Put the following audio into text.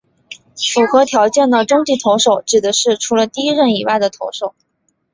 符合条件的中继投手指的是除了第一任以外的投手。